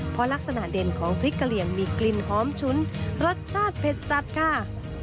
เพราะลักษณะเด่นของพริกกะเหลี่ยงมีกลิ่นหอมชุ้นรสชาติเผ็ดจัดค่ะ